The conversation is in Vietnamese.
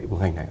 của ngành này